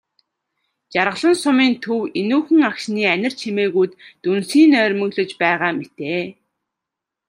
Жаргалан сумын төв энүүхэн агшны анир чимээгүйд дүнсийн нойрмоглож байгаа мэтээ.